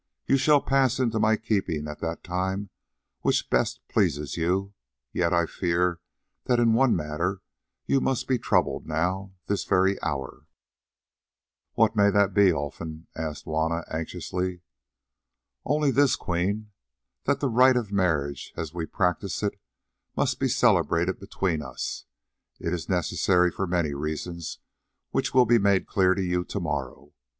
"You shall pass into my keeping at that time which best pleases you, yet I fear that in one matter you must be troubled now, this very hour." "What may that be, Olfan?" asked Juanna anxiously. "Only this, Queen, that the rite of marriage as we practise it must be celebrated between us. It is necessary for many reasons which will be made clear to you to morrow.